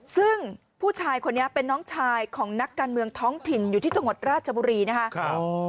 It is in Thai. ซึ่งผู้ชายคนนี้เป็นน้องชายของนักการเมืองท้องถิ่นอยู่ที่จังหวัดราชบุรีนะครับ